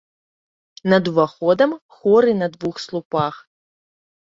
Над уваходам хоры на двух слупах.